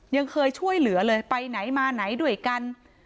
ยังเคยช่วยเหลือเลยไปไหนมาไหนด้วยกัน